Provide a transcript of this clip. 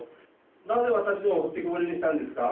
なぜ私を置いてけぼりにしたんですか。